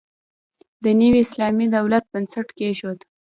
د نوي اسلامي دولت بنسټ کېښود.